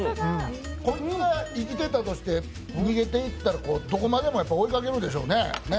これが生きてたとして、逃げていったらどこまでも追いかけるでしょうね。